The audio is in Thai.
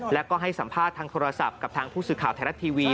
แล้วก็ให้สัมภาษณ์ทางโทรศัพท์กับทางผู้สื่อข่าวไทยรัฐทีวี